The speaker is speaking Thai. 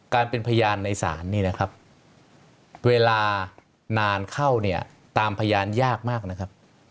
การเป็นพยานในศาลนี่นะครับเวลานานเข้าเนี่ยตามพยานยากมากนะครับ